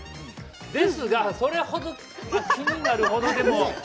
ですがそれほど気になる程でも。